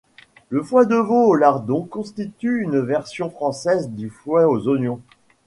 Le foie de veau aux lardons constitue une version française du foie aux oignons.